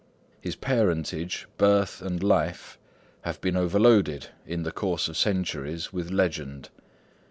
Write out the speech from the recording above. His parentage, birth, and life have been overloaded in the course of centuries with legend.